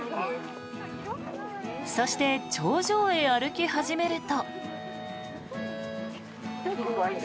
そして、頂上へ歩き始めると。